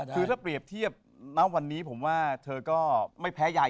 คือถ้าเปรียบเทียบณวันนี้ผมว่าเธอก็ไม่แพ้ยาย